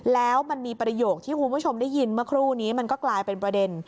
แล้วมันมีประโยคที่คุณผู้ชมได้ยินเมื่อครู่นี้มันก็กลายเป็นประเด็น